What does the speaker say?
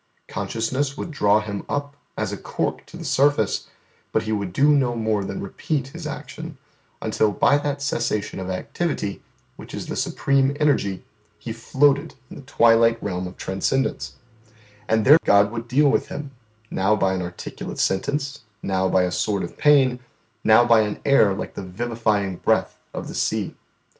Consciousness would draw Him up, as a cork, to the surface, but He would do no more than repeat His action, until by that cessation of activity, which is the supreme energy, He floated in the twilight realm of transcendence; and there God would deal with Him now by an articulate sentence, now by a sword of pain, now by an air like the vivifying breath of the sea.